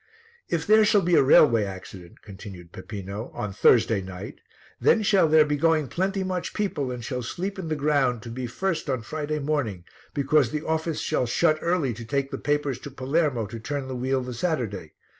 "If there shall be a railway accident," continued Peppino, "on Thursday night, then shall there be going plenty much people and shall sleep in the ground to be first on Friday morning, because the office shall shut early to take the papers to Palermo to turn the wheel the Saturday.